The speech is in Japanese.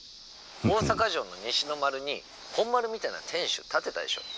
大坂城の西の丸に本丸みたいな天守建てたでしょ。